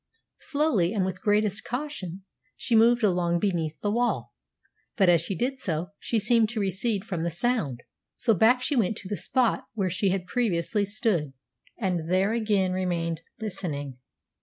Slowly, and with greatest caution, she moved along beneath the wall, but as she did so she seemed to recede from the sound. So back she went to the spot where she had previously stood, and there again remained listening.